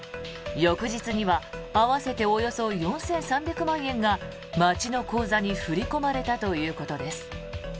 翌日には合わせておよそ４３００万円が町の口座に振り込まれたということです。